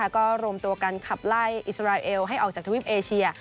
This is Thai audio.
ก็รวมตัวกันขับไล่อิสราเอลให้ออกจากทวิปเอเชีย